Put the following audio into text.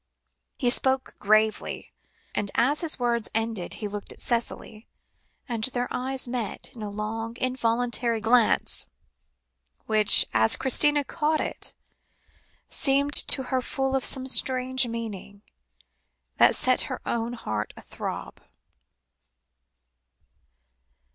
'" He spoke gravely, and as his words ended, he looked at Cicely, and their eyes met in a long involuntary glance, which, as Christina caught it, seemed to her full of some strange meaning, that set her own heart athrob.